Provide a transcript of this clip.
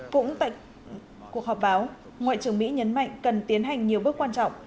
cũng tại cuộc họp báo ngoại trưởng mỹ nhấn mạnh cần tiến hành nhiều bước quan trọng